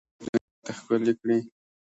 خدای دې یې هغه دنیا ورته ښکلې کړي.